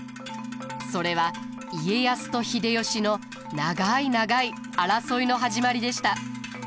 それは家康と秀吉の長い長い争いの始まりでした。